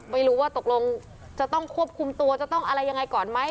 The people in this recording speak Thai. ไม่รู้ว่าตกลงจะต้องควบคุมตัวจะต้องอะไรยังไงก่อนไหม